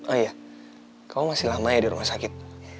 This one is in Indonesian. oh iya kamu masih lama ya di rumah sakit